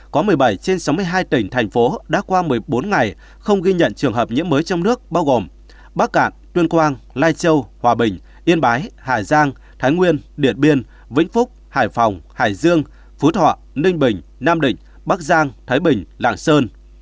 có một mươi bảy trên sáu mươi hai tỉnh thành phố đã qua một mươi bốn ngày không ghi nhận trường hợp nhiễm mới trong nước bao gồm bắc cạn tuyên quang lai châu hòa bình yên bái hà giang thái nguyên điện biên vĩnh phúc hải phòng hải dương phú thọ ninh bình nam định bắc giang thái bình lạng sơn